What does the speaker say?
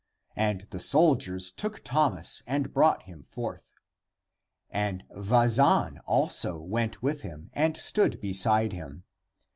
And the soldiers took Thomas and brought him forth. And Vazan also went with him and stood beside him.